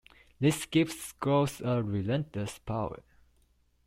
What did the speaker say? This gives scrolls a relentless power.